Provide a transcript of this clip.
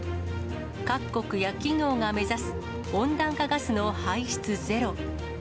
各国や企業が目指す温暖化ガスの排出ゼロ。